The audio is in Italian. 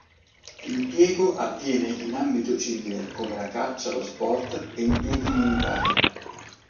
L'impiego avviene in ambito civile come la caccia, lo sport e impieghi militari.